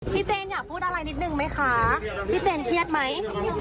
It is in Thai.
พี่เจนอยากพูดอะไรนิดนึงมั้ยคะพี่เจนเครียดมั้ย